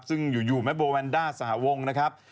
ซึ่งอยู่แม่โบแวนด้าสหวงนะครับ